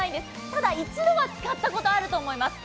ただ、一度は使ったことあると思います。